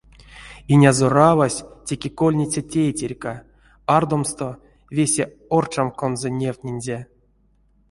Инязоравась теке кольниця тейтерька: ардомсто весе оршамканзо невтнинзе.